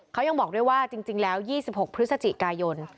เขายังบอกด้วยว่าจริงแล้ว๒๖พฤศจิกายน